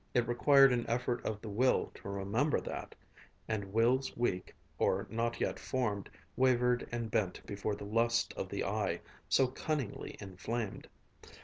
It required an effort of the will to remember that, and wills weak, or not yet formed, wavered and bent before the lust of the eye, so cunningly inflamed.